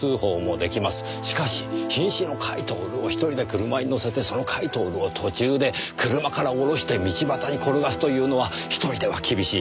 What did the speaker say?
しかし瀕死の甲斐享を１人で車に乗せてその甲斐享を途中で車から降ろして道端に転がすというのは１人では厳しい。